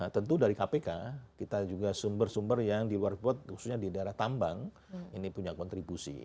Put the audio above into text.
tentu dari kpk kita juga sumber sumber yang di luar bot khususnya di daerah tambang ini punya kontribusi